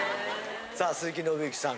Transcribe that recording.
さあ鈴木伸之さん